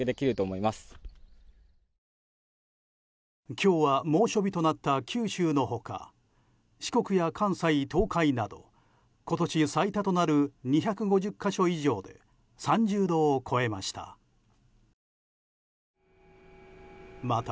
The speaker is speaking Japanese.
今日は猛暑日となった九州のほか四国や関西、東海など今年最多となる２５０か所以上で３０度を超えました。